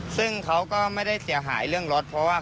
ซึ่งเขาก็ไม่ได้เสียหายเรื่องรถเพราะว่า